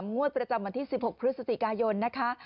งวดประจำวันที่๑๖พฤศจิกายนนะคะ